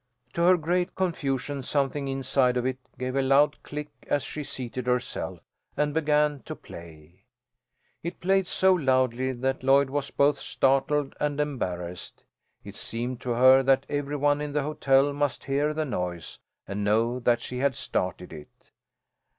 To her great confusion, something inside of it gave a loud click as she seated herself, and began to play. It played so loudly that Lloyd was both startled and embarrassed. It seemed to her that every one in the hotel must hear the noise, and know that she had started it.